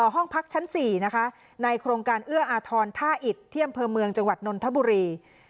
ห้องพักชั้น๔นะคะในโครงการเอื้ออาทรท่าอิดที่อำเภอเมืองจังหวัดนนทบุรี